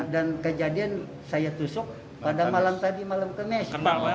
dan kejadian saya tusuk pada malam tadi malam kamis